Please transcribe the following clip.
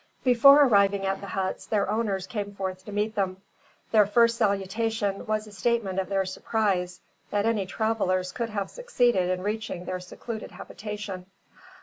Before arriving at the huts, their owners came forth to meet them. Their first salutation was a statement of their surprise that any travellers could have succeeded in reaching their secluded habitation.